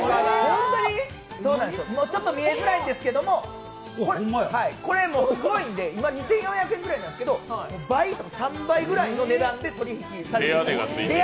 ちょっと見えづらいんですけどこれ、すごいんで今、２４００円ぐらいなんですけど倍か３倍ぐらいの値段で取引されてる。